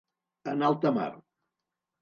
En alta mar.